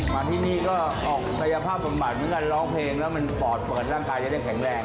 มาที่นี่ก็ออกกายภาพสมบัติเหมือนกันร้องเพลงแล้วมันปอดเปิดร่างกายจะได้แข็งแรง